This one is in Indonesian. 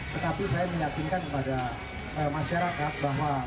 tetapi saya meyakinkan kepada masyarakat bahwa